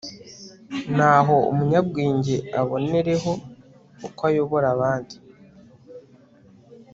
naho umunyabwenge abonereho uko ayobora abandi